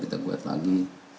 kita buat lagi